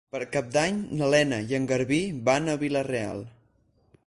Per Cap d'Any na Lena i en Garbí van a Vila-real.